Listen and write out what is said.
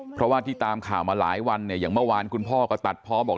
เพราะว่าที่ตามข่าวมาหลายวันเนี่ยอย่างเมื่อวานคุณพ่อก็ตัดเพาะบอก